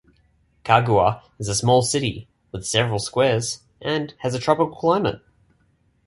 Cagua is a small city with several squares and has a tropical climate.